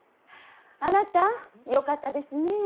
あなたよかったですねえ。